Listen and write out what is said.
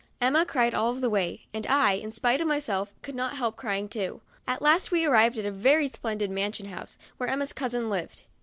Emma cried all the way, and I, in spite of myself, could not help crying too. At last we arrived at a very splendid mansion house, where Emma's cousin lived.